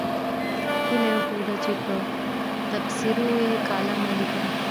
هیله یې وښوده چې پر تبصرو یې کالم ولیکم.